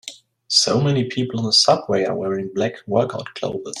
So many people on the subway are wearing black workout clothes.